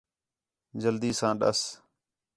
جلدی ساں ݙَس